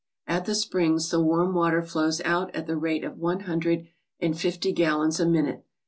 At the springs the warm water flows out at the rate of one hundred and fifty gallons a minute.